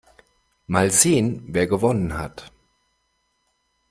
Mal sehen, wer gewonnen hat.